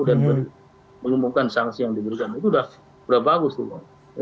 dan mengumumkan sanksi yang diberikan itu udah bagus tuh